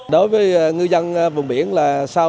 đối với ngư dân vùng biển là sao